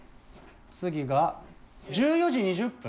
次が１４時２０分？